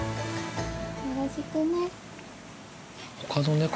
よろしくね。